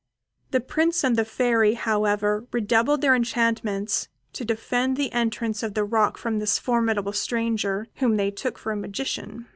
The Prince and the Fairy, however, redoubled their enchantments to defend the entrance to the rock from this formidable stranger, whom they took for a magician.